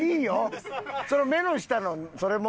その目の下のそれも？